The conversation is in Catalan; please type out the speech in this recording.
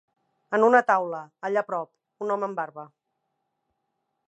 En una taula, allà prop, un home amb barba